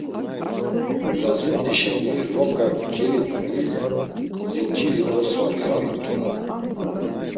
Lazut̆i şeni, roǩa kelidui, zinciri dosvaru ya it̆uran.